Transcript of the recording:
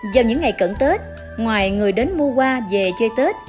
do những ngày cận tết ngoài người đến mua hoa về chơi tết